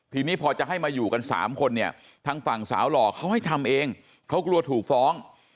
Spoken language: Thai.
ทีนี้พอจะให้มาอยู่กัน๓คนเนี่ยทางฝั่งสาวหล่อเขาให้ทำเองเขากลัวถูกฟ้อง